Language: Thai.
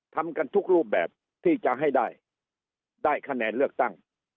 ทำกันทุกรูปแบบที่จะให้ได้ได้คะแนนเลือกตั้ง